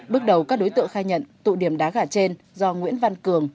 bước đầu các đối tượng khai nhận tụ điểm đá gà trên do nguyễn văn cường